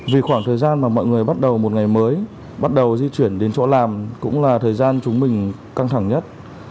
vì khoảng thời gian mà mọi người bắt đầu một ngày mới bắt đầu di chuyển đến chỗ làm cũng là thời gian chúng mình căng thẳng nhất